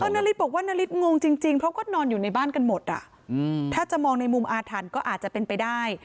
นาริสบอกว่านาริสงงจริงเพราะก็นอนอยู่ในบ้านกันหมดอ่ะถ้าจะมองในมุมอาถรรพ์ก็อาจจะเป็นไปได้